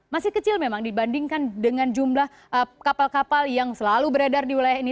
masih kecil memang dibandingkan dengan jumlah kapal kapal yang selalu beredar di wilayah ini